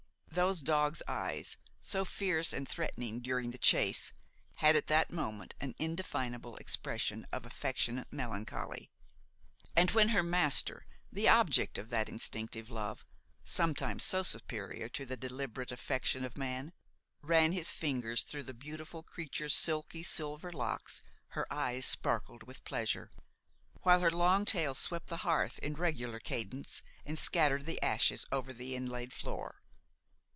Those dog's eyes, so fierce and threatening during the chase, had at that moment an indefinable expression of affectionate melancholy; and when her master, the object of that instinctive love, sometimes so superior to the deliberate affection of man, ran his fingers through the beautiful creature's silky silver locks, her eyes sparkled with pleasure, while her long tail swept the hearth in regular cadence, and scattered the ashes over the inlaid floor.